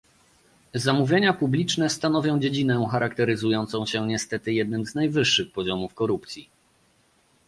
Zamówienia publiczne stanowią dziedzinę charakteryzującą się niestety jednym z najwyższych poziomów korupcji